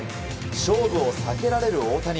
勝負を避けられる大谷。